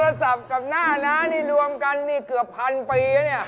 โทรศัพท์กับหน้าน้านี่รวมกันมีเกือบพันปีนี่